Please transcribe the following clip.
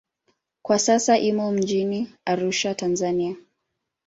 Kwa sasa imo mjini Arusha, Tanzania.